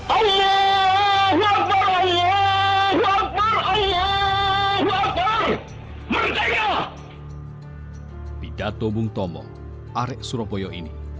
allah allah allah allah allah allah merdeka